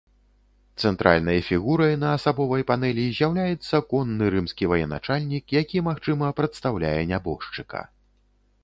Цэнтральнай фігурай на асабовай панэлі з'яўляецца конны рымскі военачальнік, які, магчыма, прадстаўляе нябожчыка.